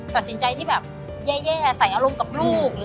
ตัดสินใจที่แบบแย่ใส่อารมณ์กับลูก